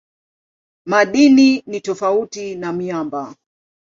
Madini ni tofauti na miamba.